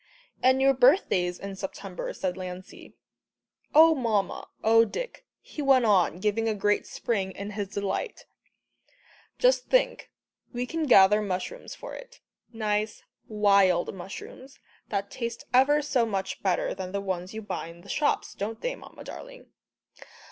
"And your birthday's in September," said Lancey. "Oh, Mamma, oh, Dick!" he went on, giving a great spring in his delight, "just think we can gather mushrooms for it nice, wild mushrooms, that taste ever so much better than the ones you buy in the shops, don't they, Mamma, darling?"